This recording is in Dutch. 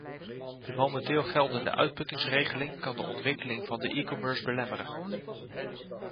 De momenteel geldende uitputtingsregeling kan de ontwikkeling van de e-commerce belemmeren.